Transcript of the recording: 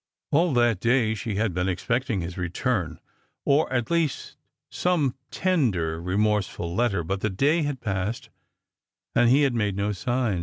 All that day she had been expecting his return, or at the least Bome tender remorseful letter ; but the day had passed and he had made no sign.